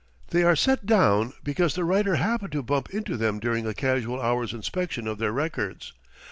They are set down because the writer happened to bump into them during a casual hour's inspection of their records.